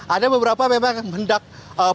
ada beberapa memang yang mendak memungkinkan